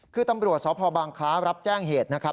คือตำรวจสพบางคล้ารับแจ้งเหตุนะครับ